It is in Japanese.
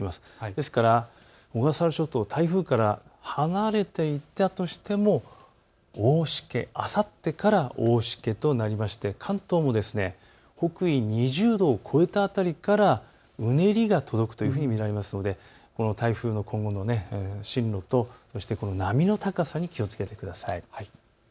ですから小笠原諸島、台風から離れていたとしても大しけ、あさってから大しけとなりまして関東も北緯２０度をこえた辺りからうねりが届くというふうに見られますので台風の今後の進路と波の高さに気をつけてください。